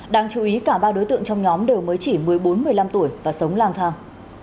đáng chú ý cả ba đối tượng trong nhóm đều mới chỉ một mươi bốn một mươi năm tuổi và sống lang thang